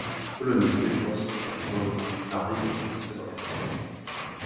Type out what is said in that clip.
Le colonel Everest a catégoriquement déclaré qu’il ne céderait pas.